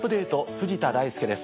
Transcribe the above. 藤田大介です。